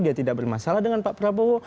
dia tidak bermasalah dengan pak prabowo